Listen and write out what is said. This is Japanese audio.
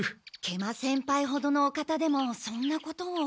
食満先輩ほどのお方でもそんなことを。